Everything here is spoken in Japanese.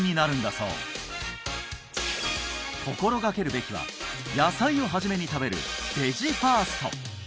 そう心掛けるべきは野菜をはじめに食べるベジファースト